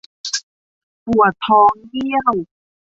ปวดท้องเยี่ยว